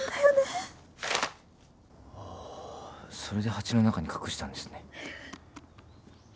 それで鉢の中に隠したんですね。